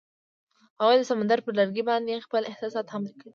هغوی د سمندر پر لرګي باندې خپل احساسات هم لیکل.